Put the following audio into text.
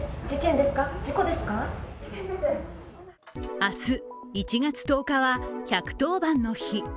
明日１月１０日は、１１０番の日。